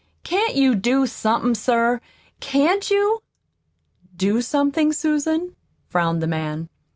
"Can't you do somethin', sir? Can't you?" "Do something, Susan?" frowned the man.